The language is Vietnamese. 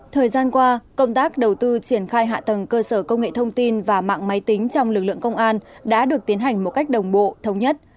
thời gian qua công tác đầu tư triển khai hạ tầng cơ sở công nghệ thông tin và mạng máy tính trong lực lượng công an đã được tiến hành một cách đồng bộ thống nhất